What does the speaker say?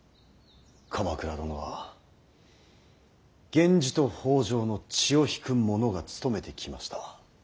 鎌倉殿は源氏と北条の血を引く者が務めてきました。